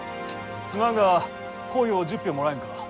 すまんがこいを１０俵もらえんか。